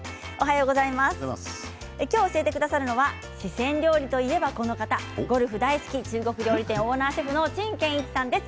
今日、教えてくださるのは四川料理といえば、この方ゴルフ大好き中国料理店オーナーシェフの陳建一さんです。